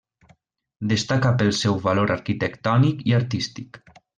Destaca pel seu valor arquitectònic i artístic.